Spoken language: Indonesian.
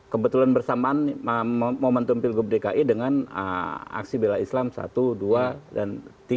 kebetulan bersamaan momentum pilgub dki dengan aksi bela islam satu dua dan tiga